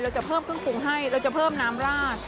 จะเพิ่มเครื่องปรุงให้เราจะเพิ่มน้ำราด